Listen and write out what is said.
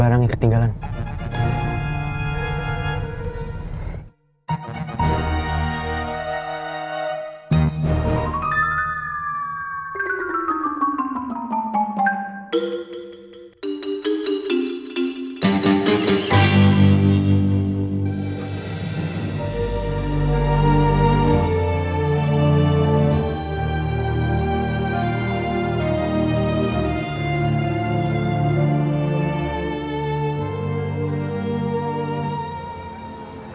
acil jangan kemana mana